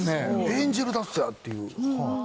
エンジェルダストやっていう。